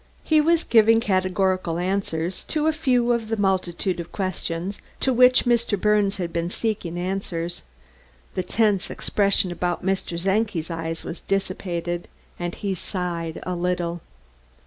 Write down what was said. He was giving categorical answers to a few of the multitude of questions to which Mr. Birnes had been seeking answers. The tense expression about Mr. Czenki's eyes was dissipated, and he sighed a little.